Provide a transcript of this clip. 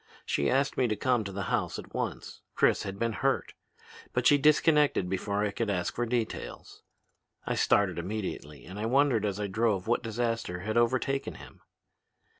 She asked me to come to the house at once. Chris had been hurt. But she disconnected before I could ask for details. I started immediately and I wondered as I drove what disaster had overtaken him.